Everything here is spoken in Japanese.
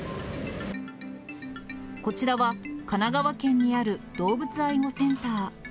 こちらは神奈川県にある動物愛護センター。